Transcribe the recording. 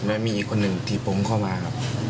แล้วมีอีกคนหนึ่งที่ผมเข้ามาครับ